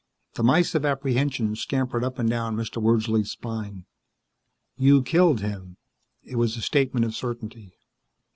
The mice of apprehension scampered up and down Mr. Wordsley's spine. "You killed him." It was a statement of certainty.